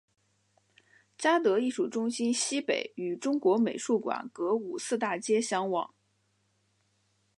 嘉德艺术中心西北与中国美术馆隔五四大街相望。